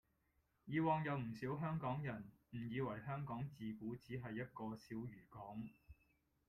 以往有唔少香港人誤以為香港自古只係一個小漁港